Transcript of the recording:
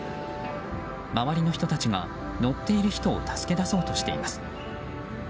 周りの人たちが、乗っている人を助け出そうとしています。